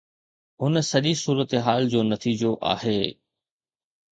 هن سڄي صورتحال جو نتيجو آهي.